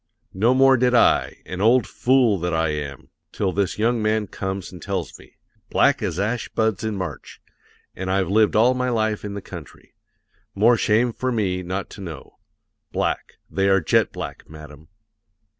No more did I an old fool that I am! till this young man comes and tells me. 'Black as ash buds in March.' And I've lived all my life in the country. More shame for me not to know. Black; they are jet black, madam."